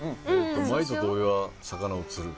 真威人と俺は魚を釣る。